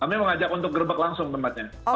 kami mengajak untuk gerbek langsung tempatnya